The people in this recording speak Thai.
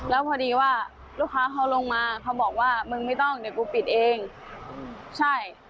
แล้วพอดีว่าลูกค้าเขาลงมาเขาบอกว่ามึงไม่ต้องเดี๋ยวกูปิดเองใช่